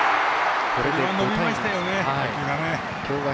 これは伸びましたよね。